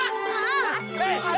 aduh aduh aduh